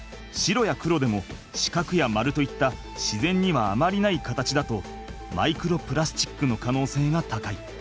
白や黒でも四角や丸といった自然にはあまりない形だとマイクロプラスチックの可能性が高い。